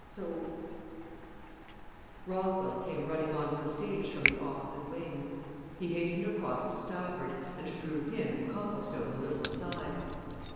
So " Rothwell came hurrying on to the stage from the opposite wings. He hastened across to Stafford and drew him and Copplestone a little aside.